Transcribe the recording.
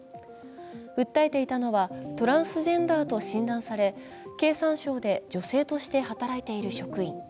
訴えていたのはトランスジェンダーと診断され経産省で女性として働いている職員。